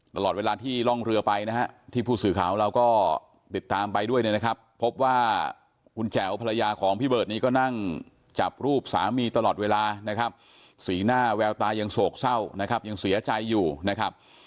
ตลอดเวลาที่ร่องเรือไปนะฮะที่ผู้สื่อข่าวเราก็ติดตามไปด้วยเนี่ยนะครับพบว่าคุณแจ๋วภรรยาของพี่เบิร์ตนี้ก็นั่งจับรูปสามีตลอดเวลานะครับสีหน้าแววตายังโศกเศร้านะครับยังเสียใจอยู่นะครับ